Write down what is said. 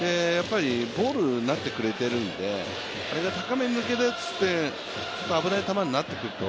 ボールになってくれているので、あれが高めに抜けてて危ない球になっていると